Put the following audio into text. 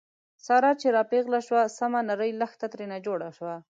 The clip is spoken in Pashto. ساره چې را پېغله شوه، سمه نرۍ لښته ترېنه جوړه شوه.